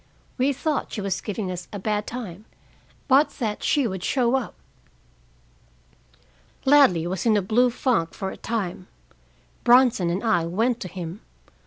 We thought she was giving us a bad time, but that she would show up. "Ladley was in a blue funk for a time. Bronson and I went to him.